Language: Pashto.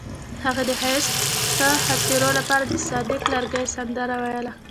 هغې د ښایسته خاطرو لپاره د صادق لرګی سندره ویله.